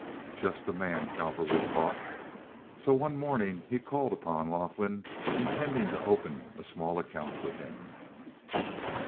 "Just the man," Cowperwood thought. So one morning he called upon Laughlin, intending to open a small account with him.